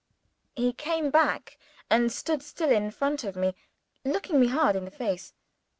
He came back, and stood still in front of me, looking me hard in the face.